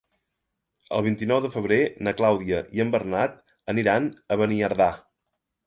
El vint-i-nou de febrer na Clàudia i en Bernat aniran a Beniardà.